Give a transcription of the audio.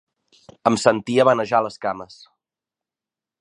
Em sentia vanejar les cames.